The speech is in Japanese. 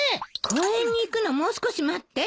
公園に行くのもう少し待って。